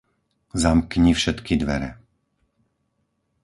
Zamkni všetky dvere.